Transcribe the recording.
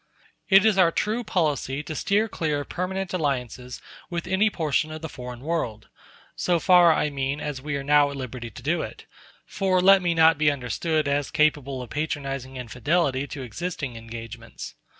It is our true policy to steer clear of permanent alliances with any portion of the foreign world; so far, I mean, as we are now at liberty to do it; for let me not be understood as capable of patronizing infidelity to existing engagements.